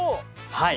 はい。